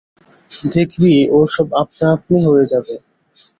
দেখবি ও-সব আপনা-আপনি হয়ে যাবে।